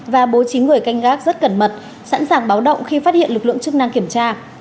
và bố trí người canh gác rất cẩn mật sẵn sàng báo động khi phát hiện lực lượng chức năng kiểm tra